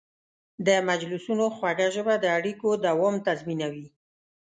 د مجلسونو خوږه ژبه د اړیکو دوام تضمینوي.